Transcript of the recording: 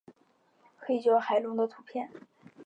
黑胶海龙的图片